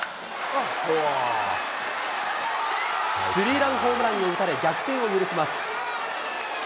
スリーランホームランを打たれ、逆転を許します。